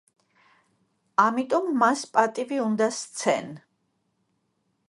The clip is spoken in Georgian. ამიტომ მას პატივი უნდა სცენ.